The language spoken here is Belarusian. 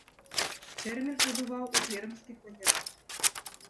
Тэрмін адбываў у пермскіх лагерах.